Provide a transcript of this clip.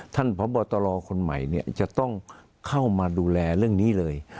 พบตรคนใหม่จะต้องเข้ามาดูแลเรื่องนี้เลย